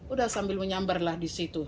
udah sambil menyambarlah di situ